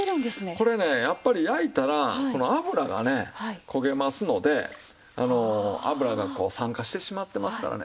これねやっぱり焼いたらこの油がね焦げますので油がこう酸化してしまってますからね。